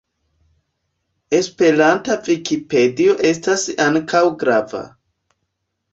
Esperanta vikipedio estas ankaŭ grava.